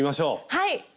はい！